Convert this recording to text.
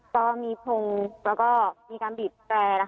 ก็มีพงแล้วก็มีการบีบแตร